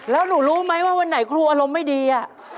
แล้วหนูรู้ไหมว่าวันไหนครูอารมณ์ไม่ดี